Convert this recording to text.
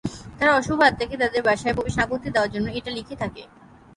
তারা অশুভ আত্মাকে তাদের বাসায় প্রবেশ না করতে দেওয়ার জন্য এটা লিখে থাকে।